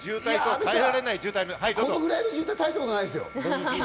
阿部さん、このぐらいの渋滞、大したことないですよ。